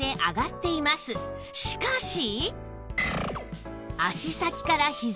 しかし